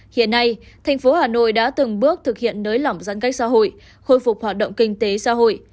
hiện nay thành phố hà nội đã từng bước thực hiện nới lỏng giãn cách xã hội khôi phục hoạt động kinh tế xã hội